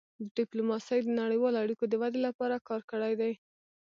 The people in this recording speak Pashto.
ډيپلوماسي د نړیوالو اړیکو د ودې لپاره کار کړی دی.